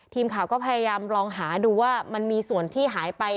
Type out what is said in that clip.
ทีมข่าวก็พยายามลองหาดูว่ามันมีส่วนที่หายไป